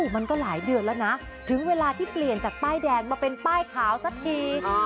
มันก็หลายเดือนแล้วนะถึงเวลาที่เปลี่ยนจากป้ายแดงมาเป็นป้ายขาวสักที